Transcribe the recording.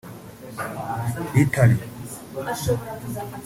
Italy)